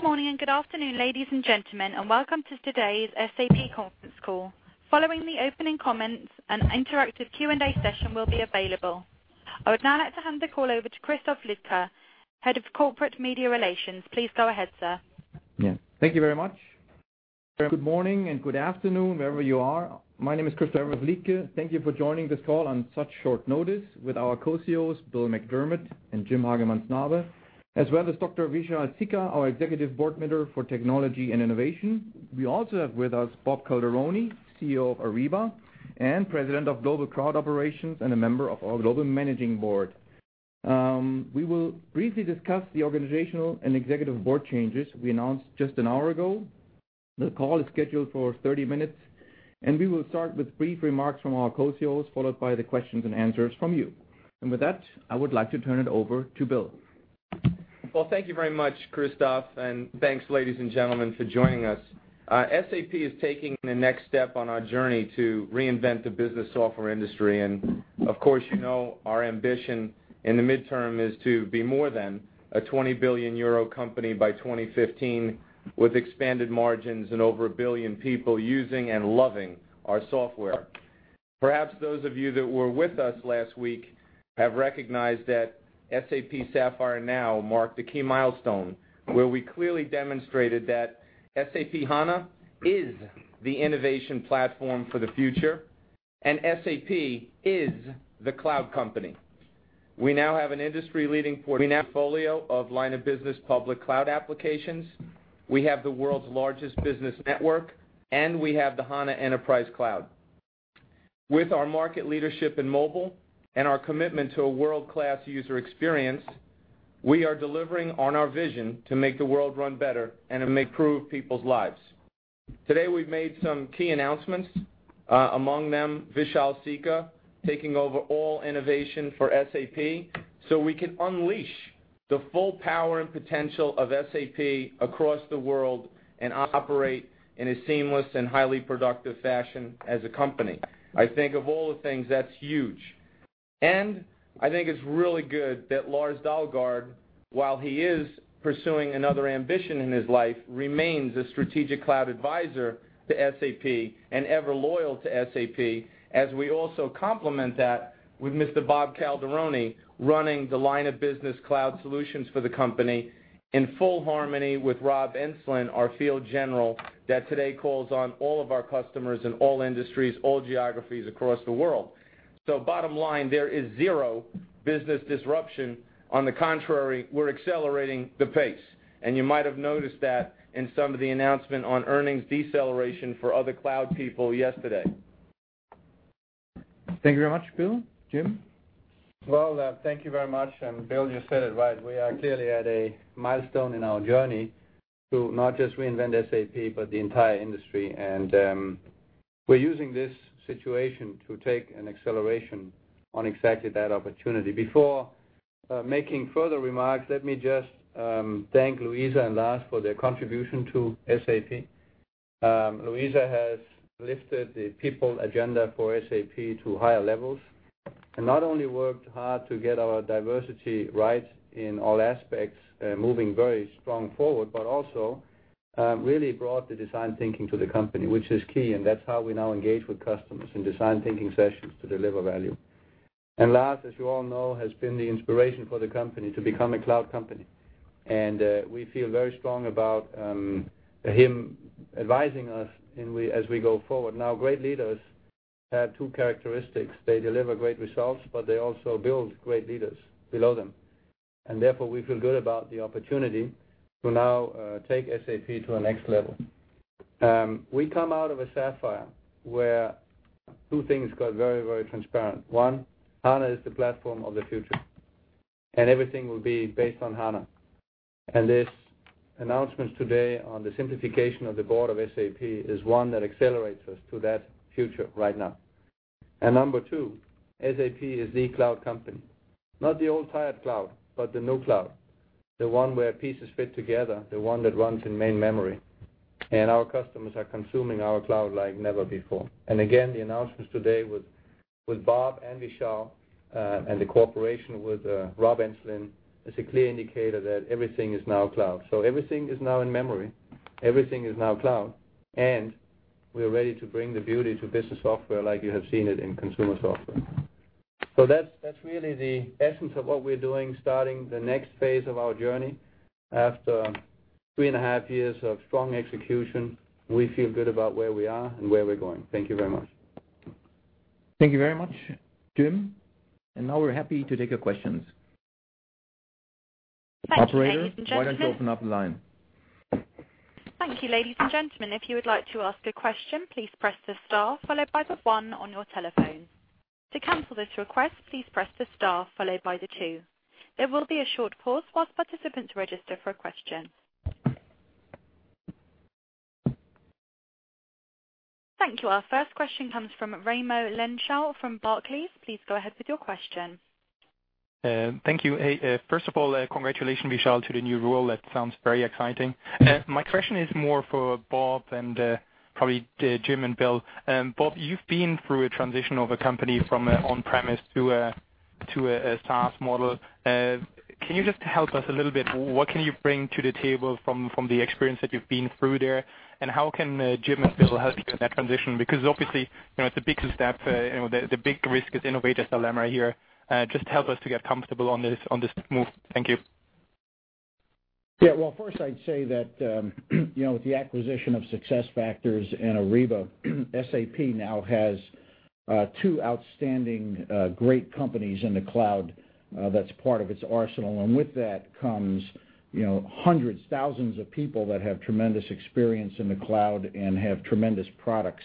Good morning and good afternoon, ladies and gentlemen, and welcome to today's SAP conference call. Following the opening comments, an interactive Q&A session will be available. I would now like to hand the call over to Christoph Liedtke, Head of Corporate Media Relations. Please go ahead, sir. Yeah, thank you very much. Good morning and good afternoon, wherever you are. My name is Christoph Liedtke. Thank you for joining this call on such short notice with our Co-CEOs, Bill McDermott and Jim Hagemann Snabe, as well as Dr. Vishal Sikka, our Executive Board Member for Technology and Innovation. We also have with us Bob Calderoni, CEO of Ariba and President of Global Cloud Operations, and a member of our global managing board. We will briefly discuss the organizational and executive board changes we announced just an hour ago. The call is scheduled for 30 minutes. We will start with brief remarks from our Co-CEOs, followed by the questions and answers from you. With that, I would like to turn it over to Bill. Well, thank you very much, Christoph, and thanks, ladies and gentlemen, for joining us. SAP is taking the next step on our journey to reinvent the business software industry. Of course, you know our ambition in the midterm is to be more than a 20 billion euro company by 2015, with expanded margins and over a billion people using and loving our software. Perhaps those of you that were with us last week have recognized that SAP Sapphire Now marked a key milestone, where we clearly demonstrated that SAP HANA is the innovation platform for the future, and SAP is the cloud company. We now have an industry-leading portfolio of line-of-business public cloud applications. We have the world's largest business network, and we have the SAP HANA Enterprise Cloud. With our market leadership in mobile and our commitment to a world-class user experience, we are delivering on our vision to make the world run better and improve people's lives. Today, we've made some key announcements, among them, Vishal Sikka taking over all innovation for SAP so we can unleash the full power and potential of SAP across the world and operate in a seamless and highly productive fashion as a company. I think of all the things, that's huge. I think it's really good that Lars Dalgaard, while he is pursuing another ambition in his life, remains a strategic cloud advisor to SAP, and ever loyal to SAP, as we also complement that with Mr. Bob Calderoni running the line of business cloud solutions for the company in full harmony with Rob Enslin, our field general, that today calls on all of our customers in all industries, all geographies across the world. Bottom line, there is zero business disruption. On the contrary, we're accelerating the pace, and you might have noticed that in some of the announcement on earnings deceleration for other cloud people yesterday. Thank you very much, Bill. Jim? Well, thank you very much. Bill, you said it right. We are clearly at a milestone in our journey to not just reinvent SAP, but the entire industry. We're using this situation to take an acceleration on exactly that opportunity. Before making further remarks, let me just thank Luisa and Lars for their contribution to SAP. Luisa has lifted the people agenda for SAP to higher levels, and not only worked hard to get our diversity right in all aspects, moving very strong forward, but also really brought the Design Thinking to the company, which is key, and that's how we now engage with customers in Design Thinking sessions to deliver value. Lars, as you all know, has been the inspiration for the company to become a cloud company, and we feel very strong about him advising us as we go forward. Now, great leaders have two characteristics. They deliver great results, but they also build great leaders below them, and therefore we feel good about the opportunity to now take SAP to the next level. We come out of a Sapphire where two things got very transparent. One, HANA is the platform of the future, and everything will be based on HANA. This announcement today on the simplification of the board of SAP is one that accelerates us to that future right now. Number two, SAP is the cloud company. Not the old tired cloud, but the new cloud. The one where pieces fit together, the one that runs in main memory. Our customers are consuming our cloud like never before. Again, the announcements today with Bob and Vishal, and the cooperation with Rob Enslin is a clear indicator that everything is now cloud. Everything is now in memory, everything is now cloud, and we are ready to bring the beauty to business software like you have seen it in consumer software. That's really the essence of what we're doing, starting the next phase of our journey. After three and a half years of strong execution, we feel good about where we are and where we're going. Thank you very much. Thank you very much, Jim. Now we're happy to take your questions. Thank you, ladies and gentlemen. Operator, why don't you open up the line? Thank you, ladies and gentlemen. If you would like to ask a question, please press the star followed by the one on your telephone. To cancel this request, please press the star followed by the two. There will be a short pause whilst participants register for a question. Thank you. Our first question comes from Raimo Lenschow from Barclays. Please go ahead with your question. Thank you. Hey, first of all, congratulations, Vishal, to the new role. That sounds very exciting. My question is more for Bob and probably Jim and Bill. Bob, you've been through a transition of a company from on-premise to a SaaS model. Can you just help us a little bit? What can you bring to the table from the experience that you've been through there, and how can Jim and Bill help that transition? Because obviously, it's a big step. The big risk is innovator's dilemma here. Just help us to get comfortable on this move. Thank you. Well, first I'd say that with the acquisition of SuccessFactors and Ariba, SAP now has two outstanding great companies in the cloud that's part of its arsenal. With that comes hundreds, thousands of people that have tremendous experience in the cloud and have tremendous products.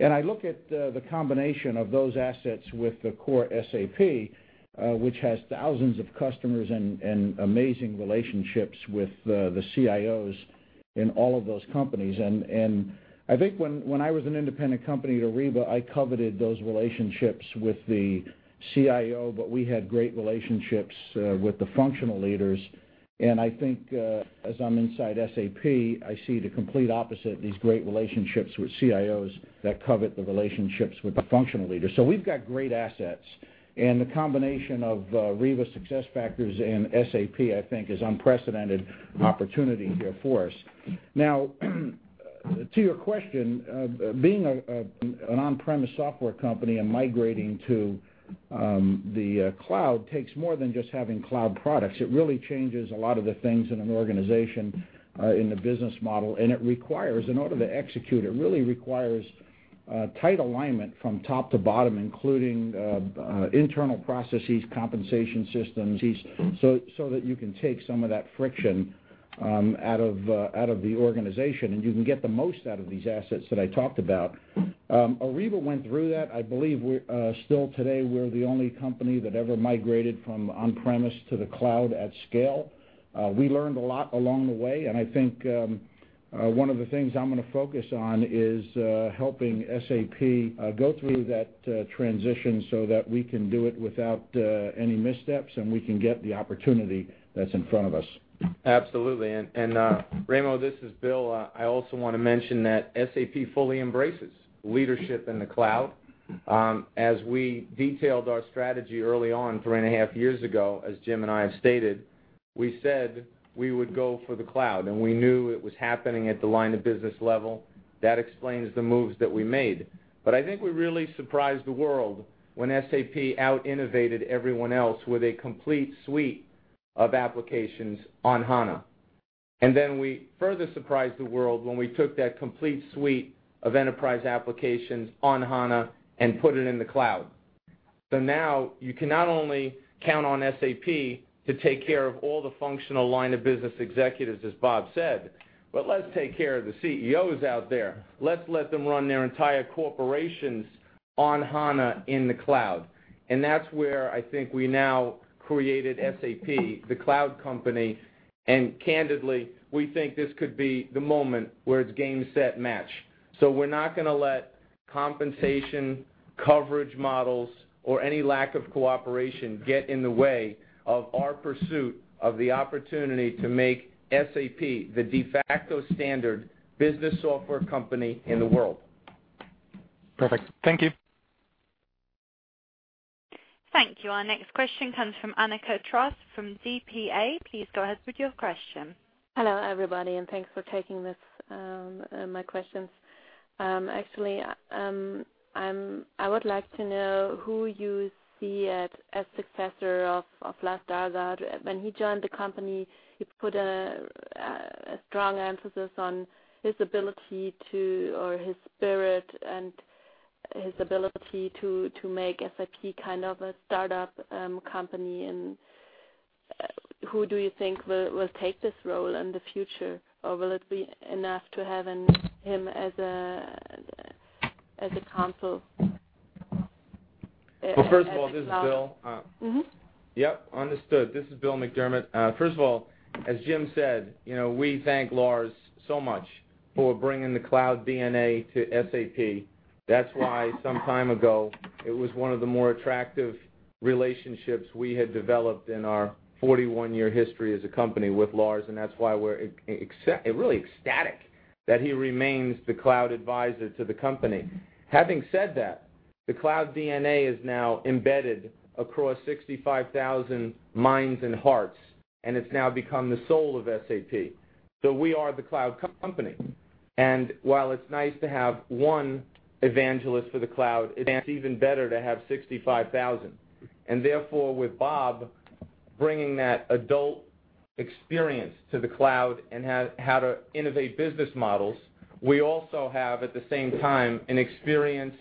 I look at the combination of those assets with the core SAP, which has thousands of customers and amazing relationships with the CIOs in all of those companies. I think when I was an independent company at Ariba, I coveted those relationships with the CIO, but we had great relationships with the functional leaders. I think, as I'm inside SAP, I see the complete opposite, these great relationships with CIOs that covet the relationships with the functional leaders. We've got great assets, and the combination of Ariba, SuccessFactors, and SAP, I think is unprecedented opportunity here for us. To your question, being an on-premise software company and migrating to the cloud takes more than just having cloud products. It really changes a lot of the things in an organization, in the business model, and in order to execute, it really requires tight alignment from top to bottom, including internal processes, compensation systems, so that you can take some of that friction out of the organization, and you can get the most out of these assets that I talked about. Ariba went through that. I believe, still today, we're the only company that ever migrated from on-premise to the cloud at scale. We learned a lot along the way, I think one of the things I'm going to focus on is helping SAP go through that transition so that we can do it without any missteps, and we can get the opportunity that's in front of us. Absolutely. Raimo Lenschow, this is Bill McDermott. I also want to mention that SAP fully embraces leadership in the cloud. As we detailed our strategy early on, three and a half years ago, as Jim Hagemann Snabe and I have stated, we said we would go for the cloud, and we knew it was happening at the line of business level. That explains the moves that we made. I think we really surprised the world when SAP out-innovated everyone else with a complete suite of applications on HANA. We further surprised the world when we took that complete suite of enterprise applications on HANA and put it in the cloud. Now you can not only count on SAP to take care of all the functional line of business executives, as Bob Calderoni said, but let's take care of the CEOs out there. Let's let them run their entire corporations on HANA in the cloud. That's where I think we now created SAP, the cloud company, and candidly, we think this could be the moment where it's game, set, match. We're not going to let compensation, coverage models, or any lack of cooperation get in the way of our pursuit of the opportunity to make SAP the de facto standard business software company in the world. Perfect. Thank you. Thank you. Our next question comes from Annika Trost from dpa. Please go ahead with your question. Hello, everybody, and thanks for taking my questions. Actually, I would like to know who you see as successor of Lars Dalgaard. When he joined the company, he put a strong emphasis on his ability to, or his spirit and his ability to make SAP kind of a startup company. Who do you think will take this role in the future, or will it be enough to have him as a counsel? Well, first of all, this is Bill. Yep, understood. This is Bill McDermott. First of all, as Jim said, we thank Lars so much for bringing the cloud DNA to SAP. That's why some time ago, it was one of the more attractive relationships we had developed in our 41-year history as a company with Lars, and that's why we're really ecstatic that he remains the cloud advisor to the company. Having said that, the cloud DNA is now embedded across 65,000 minds and hearts, and it's now become the soul of SAP. We are the cloud company. While it's nice to have one evangelist for the cloud, it's even better to have 65,000. Therefore, with Bob bringing that adult experience to the cloud and how to innovate business models, we also have, at the same time, an experienced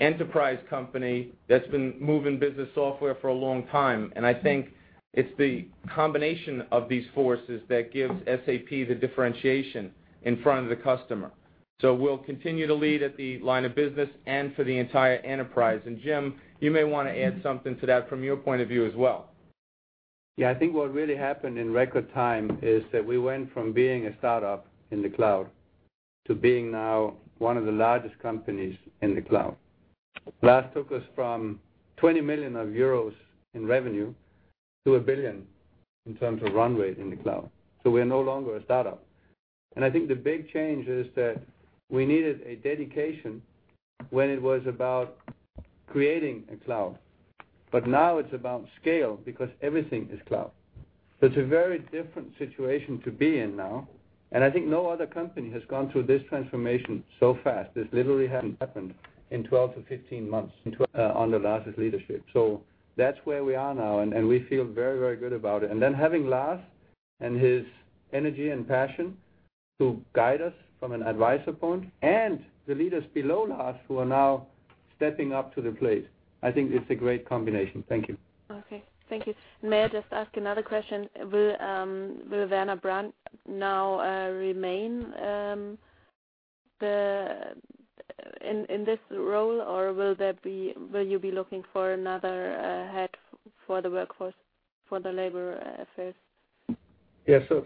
enterprise company that's been moving business software for a long time. I think it's the combination of these forces that gives SAP the differentiation in front of the customer. We'll continue to lead at the line of business and for the entire enterprise. Jim, you may want to add something to that from your point of view as well. I think what really happened in record time is that we went from being a startup in the cloud to being now one of the largest companies in the cloud. Lars took us from 20 million euros in revenue to 1 billion in terms of runway in the cloud. We are no longer a startup. I think the big change is that we needed a dedication when it was about creating a cloud, but now it is about scale because everything is cloud. It is a very different situation to be in now, and I think no other company has gone through this transformation so fast. This literally has happened in 12 to 15 months under Lars' leadership. That is where we are now, and we feel very good about it. Then having Lars and his energy and passion to guide us from an advisor point and the leaders below Lars, who are now stepping up to the plate, I think it is a great combination. Thank you. Thank you. May I just ask another question? Will Werner Brandt now remain in this role, or will you be looking for another head for the workforce, for the labor affairs?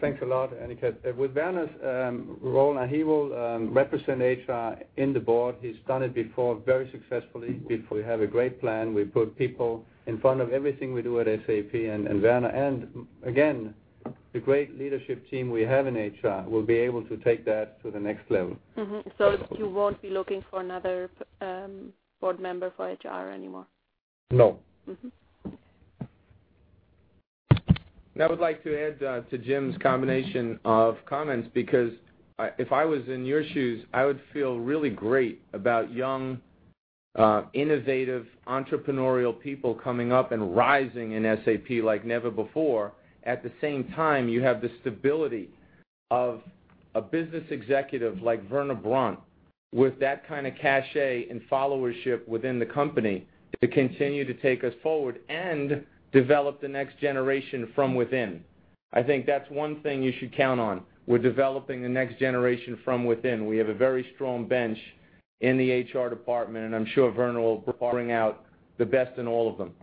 Thanks a lot, Annika. With Werner's role, he will represent HR on the board. He has done it before very successfully. We have a great plan. We put people in front of everything we do at SAP, and Werner and, again, the great leadership team we have in HR will be able to take that to the next level. You won't be looking for another board member for HR anymore? No. I would like to add to Jim's combination of comments because if I was in your shoes, I would feel really great about young, innovative, entrepreneurial people coming up and rising in SAP like never before. At the same time, you have the stability of a business executive like Werner Brandt with that kind of cachet and followership within the company to continue to take us forward and develop the next generation from within. I think that's one thing you should count on. We're developing the next generation from within. We have a very strong bench in the HR department, and I'm sure Werner will bring out the best in all of them.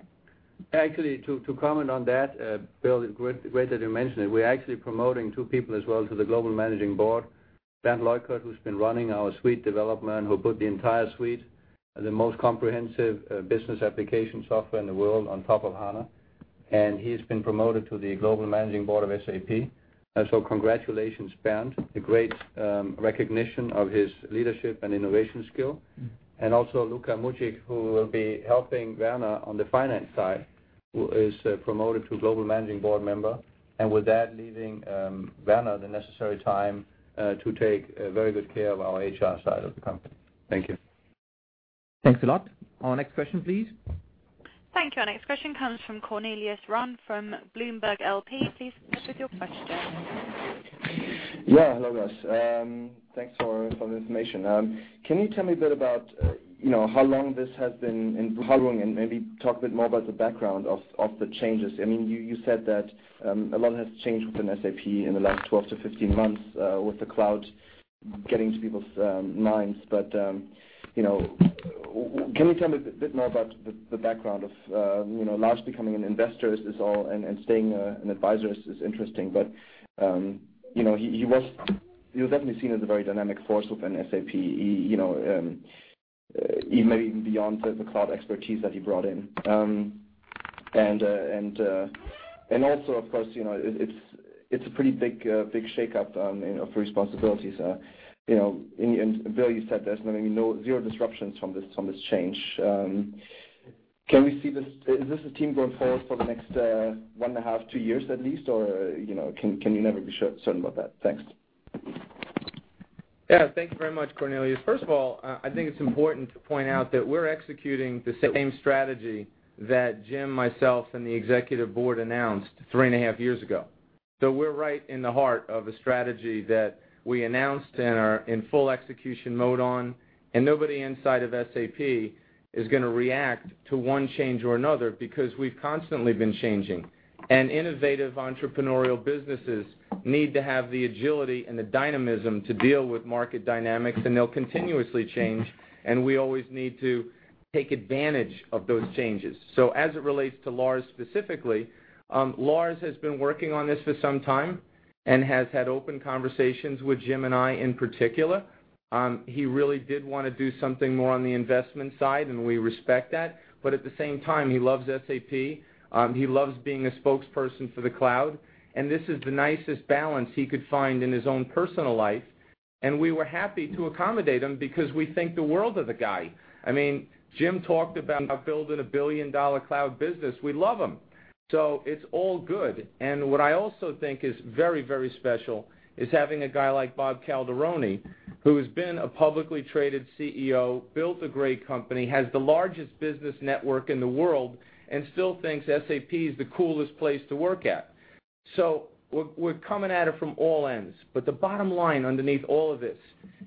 Actually, to comment on that, Bill, great that you mentioned it. We're actually promoting two people as well to the global managing board. Bernd Leukert, who's been running our suite development, who put the entire suite, the most comprehensive business application software in the world, on top of HANA, he has been promoted to the global managing board of SAP. Congratulations, Bernd. A great recognition of his leadership and innovation skill. Luka Mucic, who will be helping Werner on the finance side, who is promoted to global managing board member. With that, leaving Werner the necessary time to take very good care of our HR side of the company. Thank you. Thanks a lot. Our next question, please. Thank you. Our next question comes from Cornelius Rahn from Bloomberg L.P. Please proceed with your question. Hello, guys. Thanks for the information. Can you tell me a bit about how long this has been in the brewing, and maybe talk a bit more about the background of the changes? You said that a lot has changed within SAP in the last 12-15 months, with the cloud getting to people's minds. Can you tell me a bit more about the background of Lars becoming an investor and staying an advisor is interesting. He was definitely seen as a very dynamic force within SAP, even maybe beyond the cloud expertise that he brought in. Also, of course, it's a pretty big shakeup of responsibilities. Bill, you said there's zero disruptions from this change. Is this the team going forward for the next one and a half, two years, at least? Can you never be certain about that? Thanks. Thank you very much, Cornelius. First of all, I think it's important to point out that we're executing the same strategy that Jim, myself, and the executive board announced three and a half years ago. We're right in the heart of a strategy that we announced and are in full execution mode on. Nobody inside of SAP is going to react to one change or another because we've constantly been changing. Innovative entrepreneurial businesses need to have the agility and the dynamism to deal with market dynamics. They'll continuously change, and we always need to take advantage of those changes. As it relates to Lars specifically, Lars has been working on this for some time and has had open conversations with Jim and I, in particular. He really did want to do something more on the investment side. We respect that. At the same time, he loves SAP. He loves being a spokesperson for the cloud. This is the nicest balance he could find in his own personal life. We were happy to accommodate him because we think the world of the guy. Jim talked about building a billion-dollar cloud business. We love him. It's all good. What I also think is very special is having a guy like Bob Calderoni, who has been a publicly traded CEO, built a great company, has the largest business network in the world, and still thinks SAP is the coolest place to work at. We're coming at it from all ends. The bottom line underneath all of this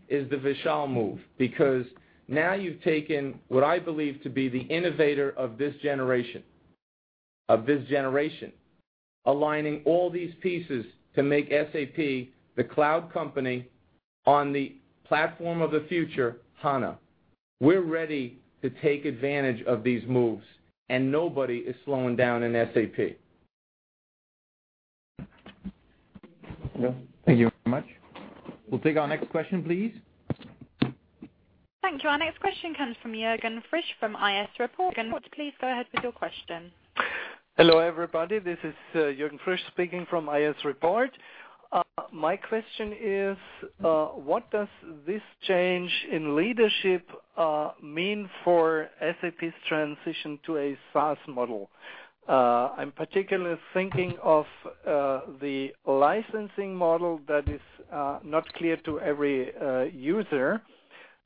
is the Vishal move, because now you've taken what I believe to be the innovator of this generation. Of this generation. Aligning all these pieces to make SAP the cloud company on the platform of the future, HANA. We're ready to take advantage of these moves. Nobody is slowing down in SAP. Thank you very much. We'll take our next question, please. Thank you. Our next question comes from Jürgen Frisch from i.s. report. Jürgen, please go ahead with your question. Hello, everybody. This is Jürgen Frisch speaking from i.s. report. My question is, what does this change in leadership mean for SAP's transition to a SaaS model? I'm particularly thinking of the licensing model that is not clear to every user.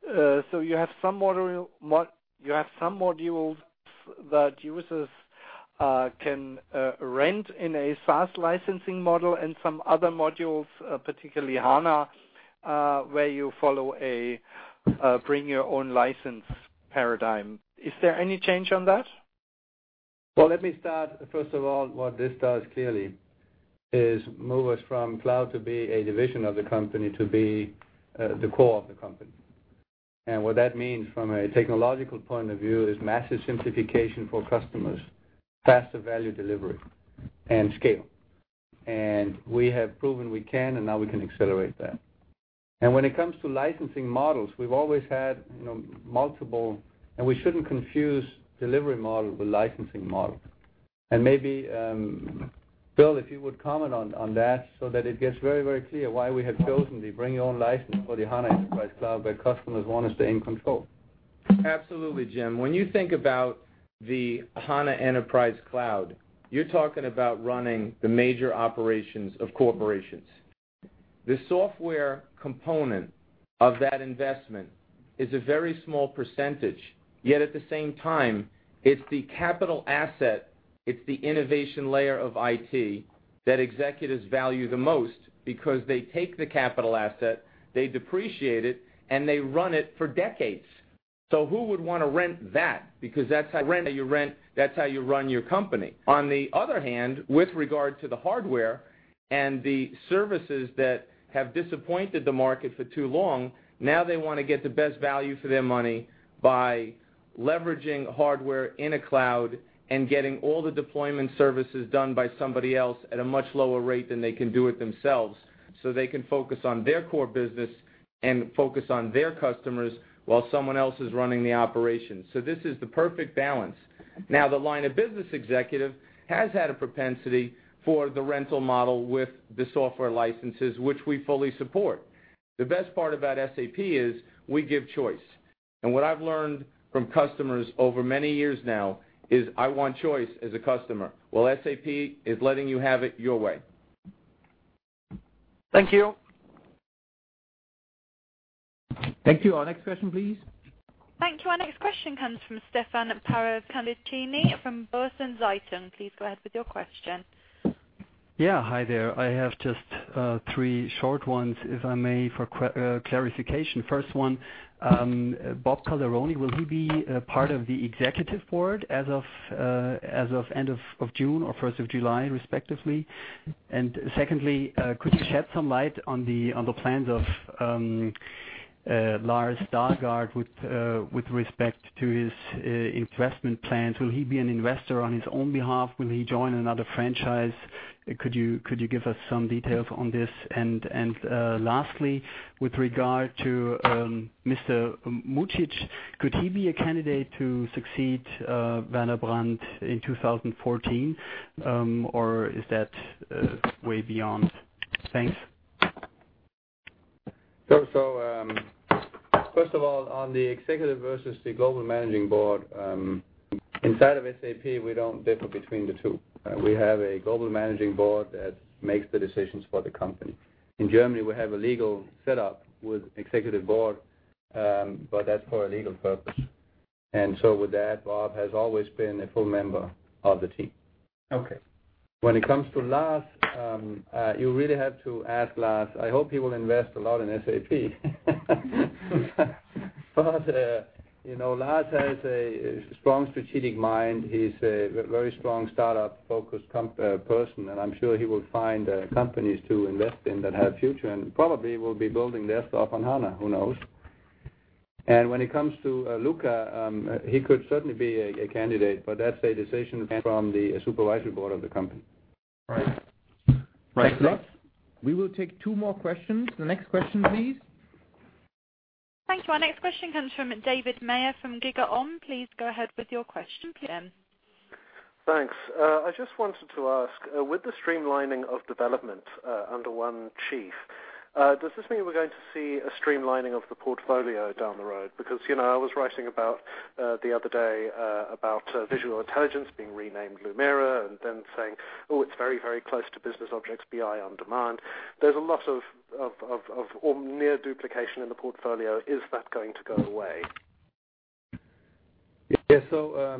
You have some modules that users can rent in a SaaS licensing model and some other modules, particularly HANA, where you follow a Bring Your Own License paradigm. Is there any change on that? Well, let me start, first of all, what this does clearly is move us from cloud to be a division of the company, to be the core of the company. What that means from a technological point of view is massive simplification for customers, faster value delivery, and scale. We have proven we can, and now we can accelerate that. When it comes to licensing models, we've always had multiple, and we shouldn't confuse delivery model with licensing model. Maybe, Bill, if you would comment on that so that it gets very clear why we have chosen the Bring Your Own License for the HANA Enterprise Cloud, where customers want to stay in control. Absolutely, Jim. When you think about the HANA Enterprise Cloud, you're talking about running the major operations of corporations. The software component of that investment is a very small percentage. Yet at the same time, it's the capital asset, it's the innovation layer of IT that executives value the most because they take the capital asset, they depreciate it, and they run it for decades. Who would want to rent that? Because that's how you run your company. On the other hand, with regard to the hardware and the services that have disappointed the market for too long, now they want to get the best value for their money by leveraging hardware in a cloud and getting all the deployment services done by somebody else at a much lower rate than they can do it themselves. They can focus on their core business and focus on their customers while someone else is running the operations. This is the perfect balance. Now, the line of business executive has had a propensity for the rental model with the software licenses, which we fully support. The best part about SAP is we give choice. What I've learned from customers over many years now is I want choice as a customer. Well, SAP is letting you have it your way. Thank you. Thank you. Our next question, please. Thank you. Our next question comes from Stefan Paravicini from Börsen-Zeitung. Please go ahead with your question. Yeah. Hi there. I have just three short ones, if I may, for clarification. First one, Bob Calderoni, will he be part of the executive board as of end of June or 1st of July, respectively? Secondly, could you shed some light on the plans of Lars Dalgaard with respect to his investment plans? Will he be an investor on his own behalf? Will he join another franchise? Could you give us some details on this? Lastly, with regard to Mr. Mucic, could he be a candidate to succeed Werner Brandt in 2014, or is that way beyond? Thanks. First of all, on the executive versus the global managing board, inside of SAP, we don't differ between the two. We have a global managing board that makes the decisions for the company. In Germany, we have a legal setup with executive board, but that's for a legal purpose. With that, Bob has always been a full member of the team. Okay. When it comes to Lars, you really have to ask Lars. I hope he will invest a lot in SAP. Lars has a strong strategic mind. He's a very strong startup-focused person, and I'm sure he will find companies to invest in that have future and probably will be building their stuff on HANA, who knows? When it comes to Luka, he could certainly be a candidate, but that's a decision from the supervisory board of the company. Right. Thanks a lot. We will take two more questions. The next question, please. Thank you. Our next question comes from David Meyer from GigaOm. Please go ahead with your question, please. Thanks. I just wanted to ask, with the streamlining of development under one chief, does this mean we're going to see a streamlining of the portfolio down the road? I was writing the other day about SAP Visual Intelligence being renamed SAP Lumira and then saying, "Oh, it's very close to SAP BusinessObjects BI OnDemand." There's a lot of near duplication in the portfolio. Is that going to go away? Yeah.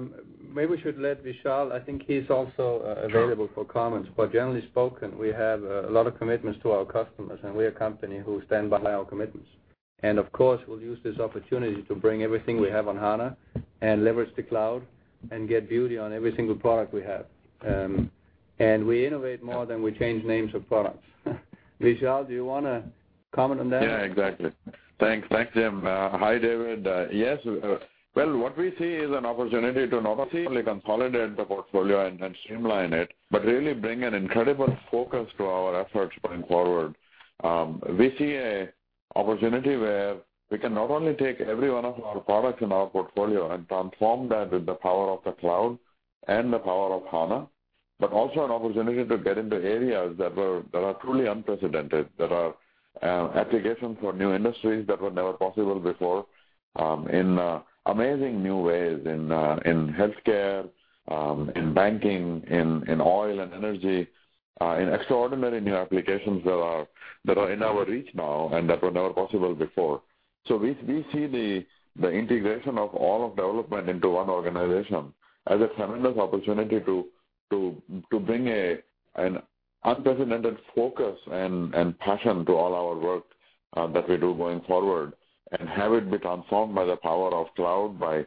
Maybe we should let Vishal. I think he's also available for comments. Generally spoken, we have a lot of commitments to our customers, and we're a company who stand behind our commitments. Of course, we'll use this opportunity to bring everything we have on HANA and leverage the cloud and get beauty on every single product we have. We innovate more than we change names of products. Vishal, do you want to comment on that? Yeah, exactly. Thanks, Jim. Hi, David. Yes. What we see is an opportunity to not only consolidate the portfolio and streamline it, but really bring an incredible focus to our efforts going forward. We see an opportunity where we can not only take every one of our products in our portfolio and transform that with the power of the cloud and the power of HANA, but also an opportunity to get into areas that are truly unprecedented, that are applications for new industries that were never possible before, in amazing new ways, in healthcare, in banking, in oil and energy, in extraordinary new applications that are in our reach now and that were never possible before. We see the integration of all of development into one organization as a tremendous opportunity to bring an unprecedented focus and passion to all our work that we do going forward, and have it be transformed by the power of cloud, by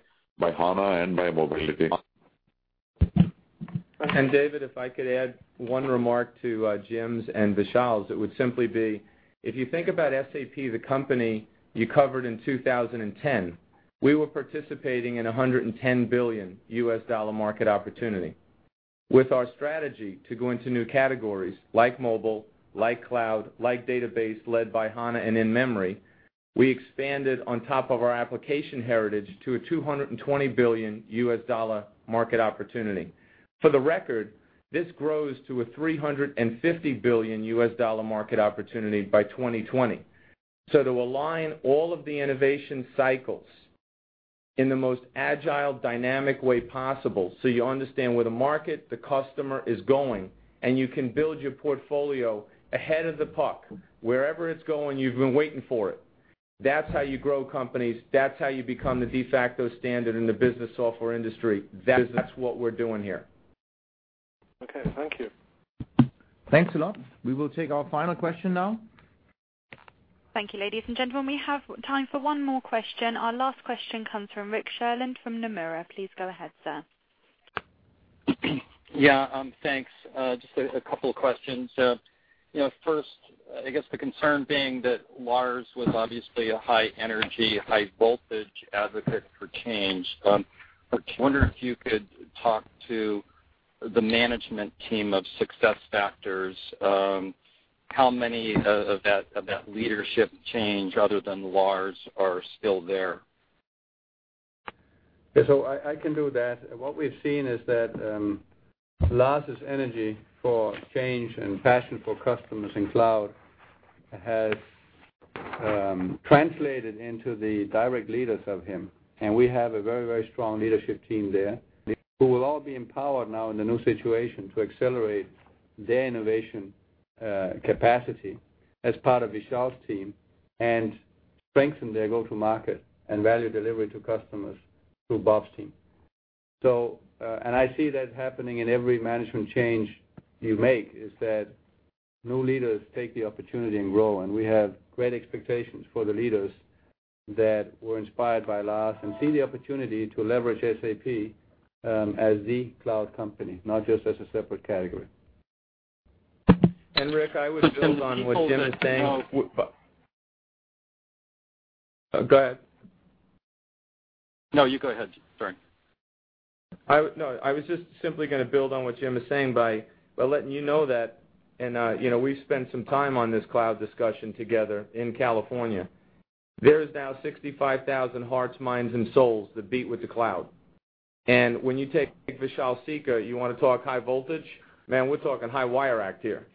HANA, and by mobility. David, if I could add one remark to Jim's and Vishal's, it would simply be, if you think about SAP the company you covered in 2010, we were participating in $110 billion U.S. dollar market opportunity. With our strategy to go into new categories like mobile, like cloud, like database, led by HANA and in-memory, we expanded on top of our application heritage to a $220 billion U.S. dollar market opportunity. For the record, this grows to a $350 billion U.S. dollar market opportunity by 2020. To align all of the innovation cycles in the most agile, dynamic way possible, so you understand where the market, the customer is going, and you can build your portfolio ahead of the puck. Wherever it's going, you've been waiting for it. That's how you grow companies. That's how you become the de facto standard in the business software industry. That's what we're doing here. Okay. Thank you. Thanks a lot. We will take our final question now. Thank you, ladies and gentlemen. We have time for one more question. Our last question comes from Rick Sherlund from Nomura. Please go ahead, sir. Yeah, thanks. Just a couple of questions. First, I guess the concern being that Lars was obviously a high energy, high voltage advocate for change. I wonder if you could talk to the management team of SuccessFactors, how many of that leadership change, other than Lars, are still there? I can do that. What we've seen is that Lars' energy for change and passion for customers in cloud has translated into the direct leaders of him, and we have a very strong leadership team there, who will all be empowered now in the new situation to accelerate their innovation capacity as part of Vishal's team and strengthen their go-to market and value delivery to customers through Bob's team. I see that happening in every management change you make, is that new leaders take the opportunity and grow, and we have great expectations for the leaders that were inspired by Lars and see the opportunity to leverage SAP as the cloud company, not just as a separate category. Rick, I would build on what Jim is saying. Go ahead. No, you go ahead. Sorry. No, I was just simply going to build on what Jim is saying by letting you know that, we've spent some time on this cloud discussion together in California. There is now 65,000 hearts, minds, and souls that beat with the cloud. When you take Vishal Sikka, you want to talk high voltage? Man, we're talking high wire act here.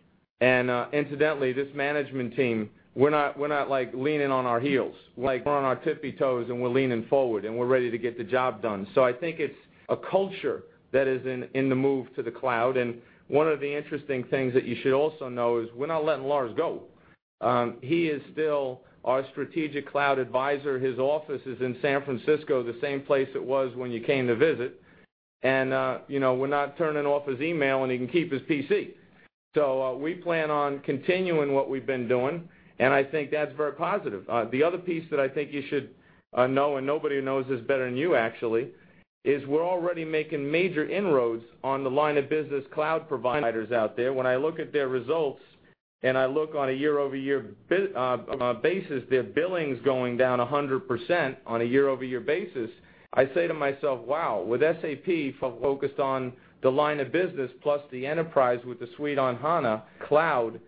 Incidentally, this management team, we're not leaning on our heels. We're on our tippy toes, and we're leaning forward, and we're ready to get the job done. I think it's a culture that is in the move to the cloud, and one of the interesting things that you should also know is we're not letting Lars go. He is still our strategic cloud advisor. His office is in San Francisco, the same place it was when you came to visit. We're not turning off his email, and he can keep his PC. We plan on continuing what we've been doing, and I think that's very positive. The other piece that I think you should know, and nobody knows this better than you, actually, is we're already making major inroads on the line of business cloud providers out there. When I look at their results, and I look on a year-over-year basis, their billing is going down 100% on a year-over-year basis. I say to myself, "Wow, with SAP focused on the line of business, plus the enterprise with the suite on HANA cloud,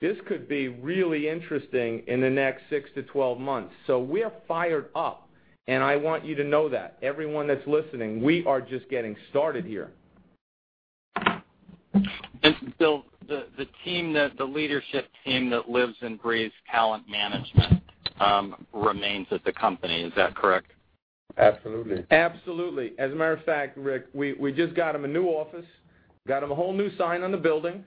this could be really interesting in the next six to 12 months." We're fired up, and I want you to know that. Everyone that's listening, we are just getting started here. Bill, the leadership team that lives and breathes talent management remains at the company, is that correct? Absolutely. Absolutely. As a matter of fact, Rick, we just got them a new office, got them a whole new sign on the building,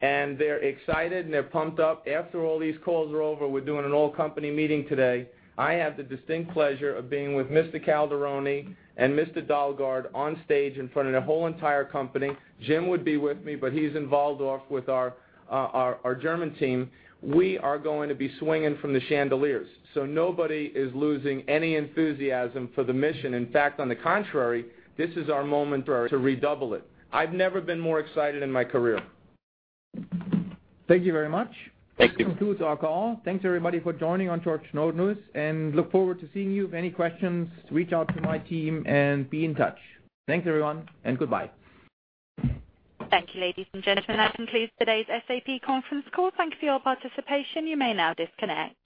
and they're excited, and they're pumped up. After all these calls are over, we're doing an all-company meeting today. I have the distinct pleasure of being with Mr. Calderoni and Mr. Dalgaard on stage in front of the whole entire company. Jim would be with me, but he's involved off with our German team. We are going to be swinging from the chandeliers. Nobody is losing any enthusiasm for the mission. In fact, on the contrary, this is our moment to redouble it. I've never been more excited in my career. Thank you very much. Thank you. This concludes our call. Thanks, everybody, for joining on short notice, and look forward to seeing you. If any questions, reach out to my team and be in touch. Thanks, everyone, and goodbye. Thank you, ladies and gentlemen. That concludes today's SAP conference call. Thank you for your participation. You may now disconnect.